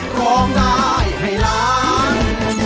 ร้องได้ให้ล้าน